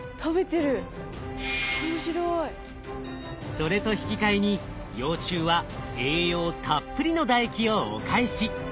それと引き換えに幼虫は栄養たっぷりの唾液をお返し。